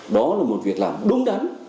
đó là một việc làm đúng đắn